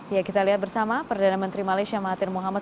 ya kita lihat bersama perdana menteri malaysia mahathir muhammad